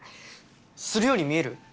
するように見える？